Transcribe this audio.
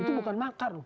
itu bukan makar loh